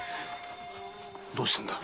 どうしたんだ？